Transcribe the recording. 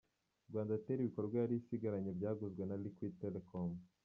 Rwandatel ibikorwa yari isigaranye byaguzwe na Liquid Telecom.